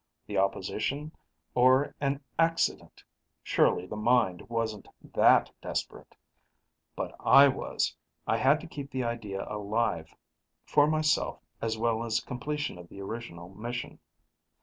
The opposition or an accident? Surely the Mind wasn't that desperate. But I was; I had to keep the idea alive, for myself as well as completion of the original mission.